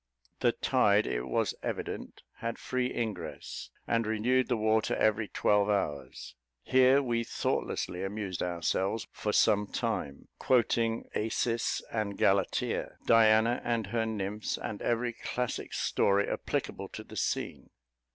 The tide, it was evident, had free ingress, and renewed the water every twelve hours. Here we thoughtlessly amused ourselves for some time, quoting Acis and Galatea, Diana, and her nymphs, and every classic story applicable to the scene.